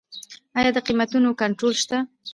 آیا د قیمتونو کنټرول شته؟